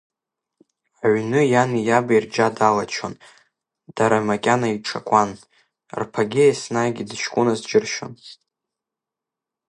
Аҩны иани иаби рџьа далачон, дара макьана иҿақәан, рԥагьы еснагь дыҷкәыназ џьыршьон.